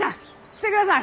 来てください！